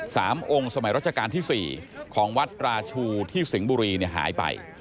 สามองค์สมัยรัชกาลที่สี่ของวัดราชูที่สิงห์บุรีเนี่ยหายไป